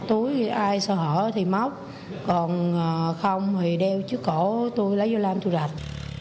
túi ai sợ hỡi thì móc còn không thì đeo trước cổ tôi lấy vô làm tôi rạch